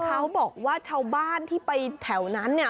ข้าวบอกว่าชาวบ้านที่ไปแถวนั้นนี่